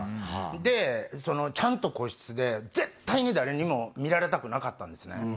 でちゃんと個室で絶対に誰にも見られたくなかったんですね。